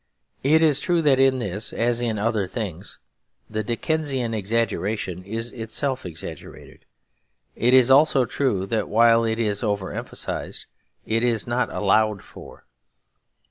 It is true that in this, as in other things, the Dickensian exaggeration is itself exaggerated. It is also true that, while it is over emphasised, it is not allowed for.